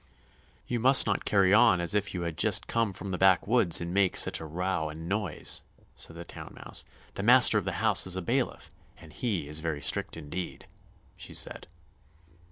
"You must not carry on as if you had just come from the backwoods and make such a row and noise," said the Town Mouse; "the master of the house is a bailiff, and he is very strict indeed," she said.